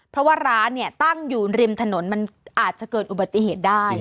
เพราะว่าร้านเนี่ยตั้งอยู่ริมถนนมันอาจจะเกิดอุบัติเหตุได้